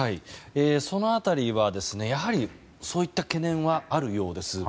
その辺りはそういった懸念はあるようです。